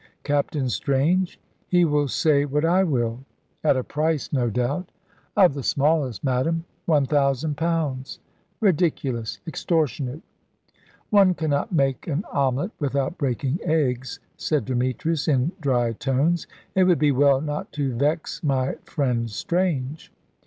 "Captain Strange? He will say what I will." "At a price, no doubt." "Of the smallest, madame. One thousand pounds." "Ridiculous! Extortionate!" "One cannot make an omelette without breaking eggs," said Demetrius, in dry tones; "it would be well not to vex my friend Strange."